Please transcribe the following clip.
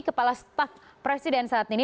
kepala staf presiden saat ini